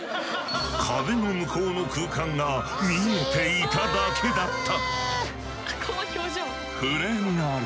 壁の向こうの空間が見えていただけだった。